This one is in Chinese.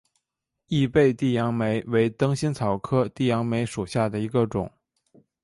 异被地杨梅为灯心草科地杨梅属下的一个种。